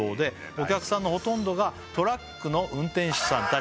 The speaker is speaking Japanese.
「お客さんのほとんどがトラックの運転手さんたちで」